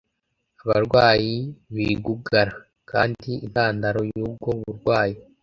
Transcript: abarwayi b’igugara, kandi intandaro y’ubwo burwayi